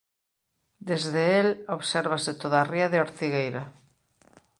Desde el obsérvase toda a ría de Ortigueira.